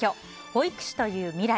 保育士という未来。